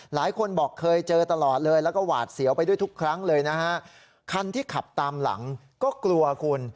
หลายคนบอกเคยเจอตลอดเลยแล้วก็หวาดเสียวไปด้วยทุกครั้งเลยนะฮะคันที่ขับตามหลังก็กลัวคุณ